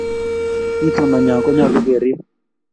Itondanyo konyolu keriib.